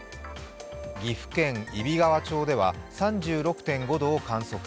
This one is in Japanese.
岐阜県揖斐川町では３６．５度を観測。